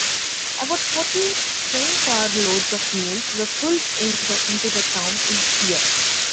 About forty train car loads of mules were pulled into the town each year.